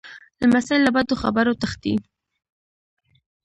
لمسی له بدو خبرو تښتي.